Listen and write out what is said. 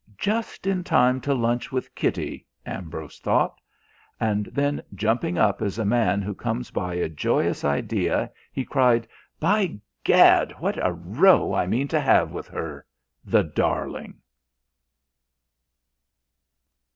"Just in time to lunch with Kitty," Ambrose thought. And then jumping up as a man who comes by a joyous idea, he cried: "By Gad, what a row I mean to have with her the darling!"